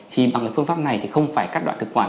chỉ bằng phương pháp này thì không phải cắt đoạn thực quản